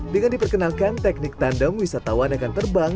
dengan diperkenalkan teknik tandem wisatawan akan terbang